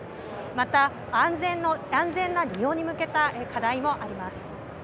また、安全な利用に向けた課題もあります。